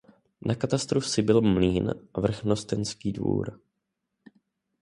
Na katastru vsi byl mlýn a vrchnostenský dvůr.